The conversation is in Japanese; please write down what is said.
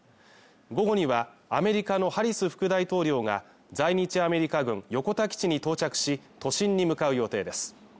午後にはアメリカのハリス副大統領が在日アメリカ軍横田基地に到着し都心に向かう予定です